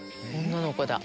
女の子だ。